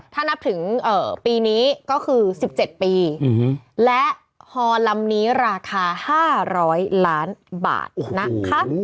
ถ้านับถึงปีนี้ก็คือ๑๗ปีและฮอลำนี้ราคา๕๐๐ล้านบาทนะคะ